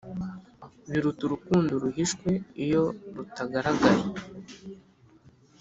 biruta urukundo ruhishwe iyo rutagaragaye